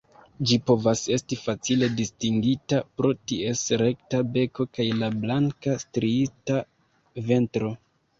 Ĝi povas esti facile distingita pro ties rekta beko kaj la blanka striita ventro.